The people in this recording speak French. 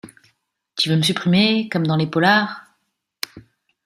Tu veux me supprimer, comme dans les polars ?